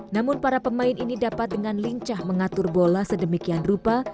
namun para pemain ini dapat dengan lincah mengatur bola sedemikian rupa